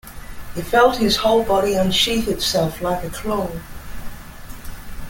He felt his whole body unsheath itself like a claw.